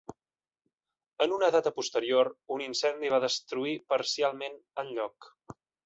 En una data posterior, un incendi va destruir parcialment el lloc.